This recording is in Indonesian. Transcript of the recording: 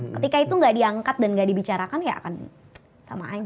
ketika itu nggak diangkat dan nggak dibicarakan ya akan sama aja